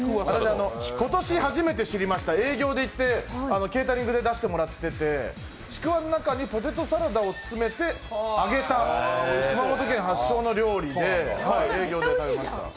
今年初めて知りました、営業で行ってケータリングで出してもらってて、ちくわの中にポテトサラダを詰めて揚げた、熊本県発祥の料理です。